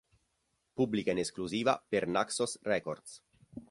Pubblica in esclusiva per Naxos Records.